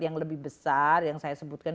yang lebih besar yang saya sebutkan